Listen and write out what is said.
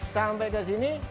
sampai ke sini